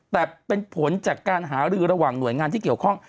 แต่เป็นผลจากการหารือระหว่างหน่วยงานที่เกี่ยวข้อง